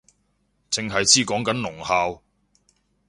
剩係知講緊聾校